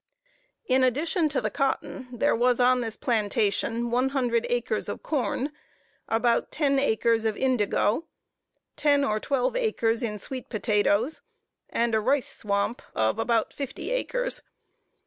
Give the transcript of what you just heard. In addition to the cotton, there was on this plantation one hundred acres of corn, about ten acres of indigo, ten or twelve acres in sweet potatoes, and a rice swamp of about fifty acres.